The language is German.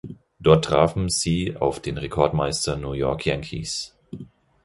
Dort trafen sie auf den Rekordmeister New York Yankees.